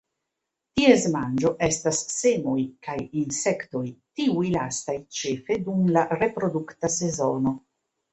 Ties manĝo estas semoj kaj insektoj, tiuj lastaj ĉefe dum la reprodukta sezono.